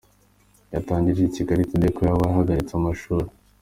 Yatangarije Kigali Today ko yabaye ahagaritse amashuri.